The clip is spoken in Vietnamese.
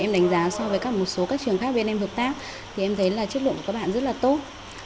em đánh giá so với các một số các trường khác bên em hợp tác thì em thấy là chất lượng của các bạn rất là tốt